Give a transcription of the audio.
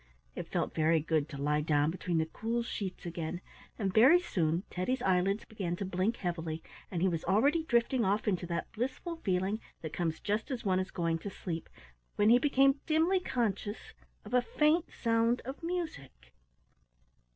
It felt very good to lie down between the cool sheets again, and very soon Teddy's eyelids began to blink heavily, and he was already drifting off into that blissful feeling that comes just as one is going to sleep, when he became dimly conscious of a faint sound of music.